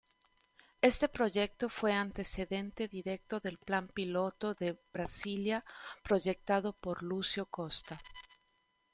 Este proyecto fue antecedente directo del Plan Piloto de Brasilia proyectado por Lúcio Costa.